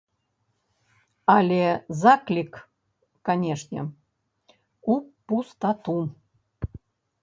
Але заклік, канечне, у пустату.